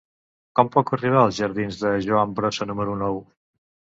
Com puc arribar als jardins de Joan Brossa número nou?